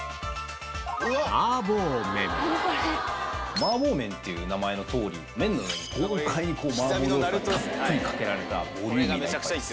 麻婆麺っていう名前の通り麺の上に豪快に麻婆豆腐がかけられたボリューミーな一杯です。